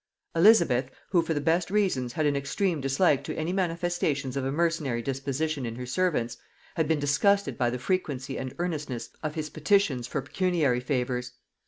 Elizabeth, who for the best reasons had an extreme dislike to any manifestations of a mercenary disposition in her servants, had been disgusted by the frequency and earnestness of his petitions for pecuniary favors.